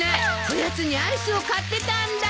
おやつにアイスを買ってたんだ！